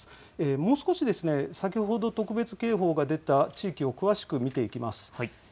もう少し、先ほど特別警報が出た地域を詳しく見ていきます。